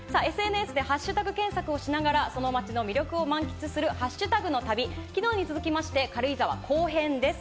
ＳＮＳでハッシュタグ検索しながらその街の魅力を満喫するハッシュタグの旅、昨日に続きまして軽井沢後編です。